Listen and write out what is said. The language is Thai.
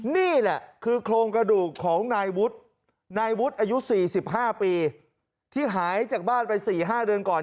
นี่แหละคือโครงกระดูกของนายวุฒินายวุฒิอายุ๔๕ปีที่หายจากบ้านไป๔๕เดือนก่อน